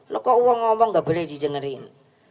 lo kok uang ngomong gak boleh didengerin